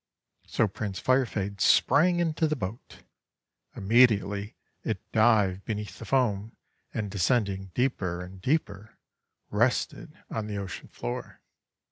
So Prince Firefade sprang into the boat. Im mediately it dived beneath the foam, and, de scending deeper and deeper, rested on the ocean floor.